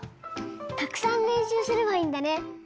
たくさんれんしゅうすればいいんだね。